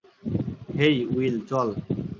হেই, Will, চল।